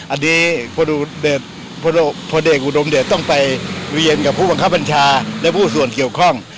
อันนี้พลเอกอุดมเดชต้องไปเรียนกับผู้บังคับบัญชาและผู้ส่วนเกี่ยวข้อง